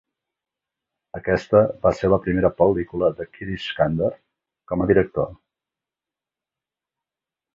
Aquesta va ser la primera pel·lícula de Shirish Kunder com a director.